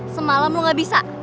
semalam lu gak bisa